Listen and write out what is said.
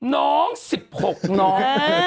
น้อง๑๖น้อง